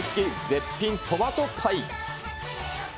絶品トマトパイ。